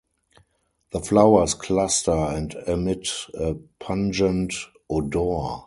The flowers cluster and emit a pungent odor.